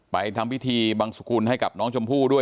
ทำพิธีบังสุกุลให้กับน้องชมพู่ด้วย